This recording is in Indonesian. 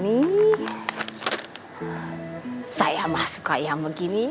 nah undang undangnya si bellaothy suka yang begitu